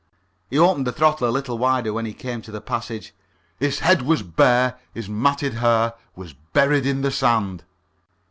He opened the throttle a little wider when he came to the passage: "His head was bare, his matted hair Was buried in the sand."